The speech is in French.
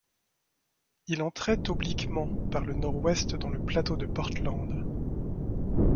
Il entrait obliquement par le nord-ouest dans le plateau de Portland.